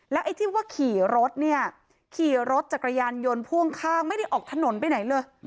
ไอ้ที่ว่าขี่รถเนี่ยขี่รถจักรยานยนต์พ่วงข้างไม่ได้ออกถนนไปไหนเลย